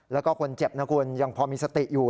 แล้วก็คนเจ็บนะคุณยังพอมีสติอยู่